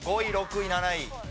５位６位７位。